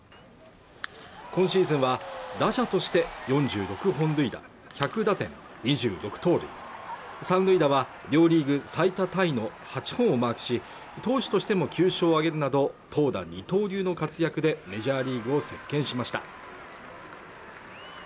今シーズンは打者として４６本塁打１００打点２６盗塁三塁打は両リーグ最多タイの８本をマークし投手としても９勝を挙げるなど投打二刀流の活躍でメジャーリーグを席巻しました